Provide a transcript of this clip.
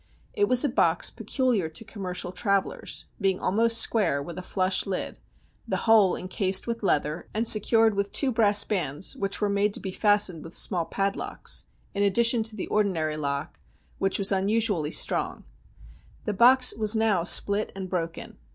It was a box peculiar to commercial travellers, being almost square with a flush lid, the whole encased with leather, and secured with two brass bands, which were made to be fastened with small padlocks, in addition to the ordinary lock, which was un usually strong. The box was now split and broken.